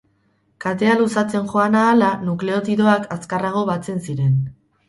Katea luzatzen joan ahala nukleotidoak azkarrago batzen ziren.